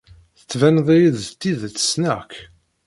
Tettbaneḍ-iyi-d d tidet ssneɣ-k.